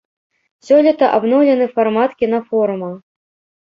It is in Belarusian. Сёлета абноўлены фармат кінафорума.